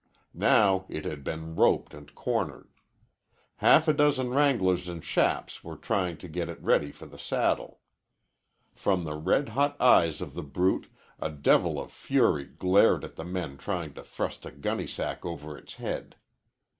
Now it had been roped and cornered. Half a dozen wranglers in chaps were trying to get it ready for the saddle. From the red hot eyes of the brute a devil of fury glared at the men trying to thrust a gunny sack over its head.